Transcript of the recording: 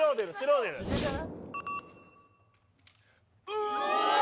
・うわ！